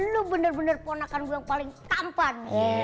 lu bener bener ponakan gue paling tampan